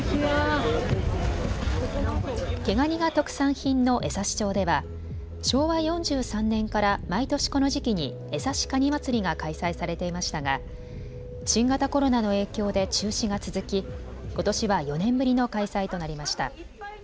毛がにが特産品の枝幸町では昭和４３年から毎年この時期に枝幸かにまつりが開催されていましたが新型コロナの影響で中止が続きことしは４年ぶりの開催となりました。